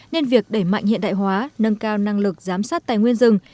nên việc đẩy mạnh hiện đại hóa nâng cao năng lực giám sát tài nguyên rừng